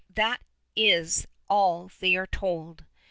That is all they are told.